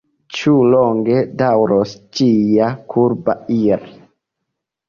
Ĉu longe daŭros ĝia kurba ir’?